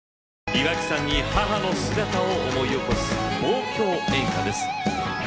岩木山に母の姿を思い起こす望郷演歌です。